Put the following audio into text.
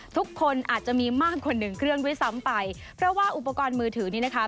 ทุกคนอาจจะมีมากกว่าหนึ่งเครื่องด้วยซ้ำไปเพราะว่าอุปกรณ์มือถือนี้นะคะ